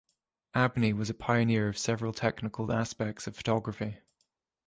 Abney was a pioneer of several technical aspects of photography.